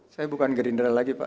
saya bukan gerindra lagi pak